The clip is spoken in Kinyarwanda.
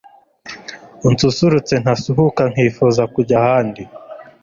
unsusurutse ntasuhuka nkifuza kujya ahandi